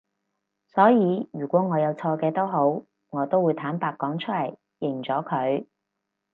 所以如果我有錯嘅都好我都會坦白講出嚟，認咗佢